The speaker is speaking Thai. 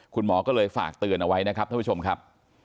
คุณหมอก็เลยฝากเตือนเอาไว้นะครับท่านผู้ชมครับ